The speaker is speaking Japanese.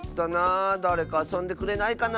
だれかあそんでくれないかな。